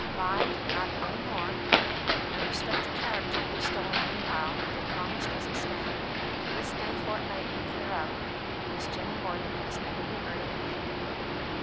Mind, not a day more; and respect the character you've stolen meanwhile, or the promise doesn't stand. This day fortnight you clear out, and Miss Jenny Mordaunt must never be heard of again."